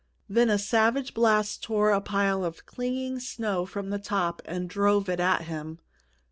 Then a savage blast tore a pile of clinging snow from the top and drove it at him.